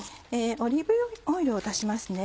オリーブオイルを足しますね。